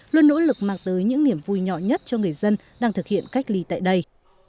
luôn nỗ lực mang tới những niềm vui nhỏ nhất cho người dân đang thực hiện cách ly tại đây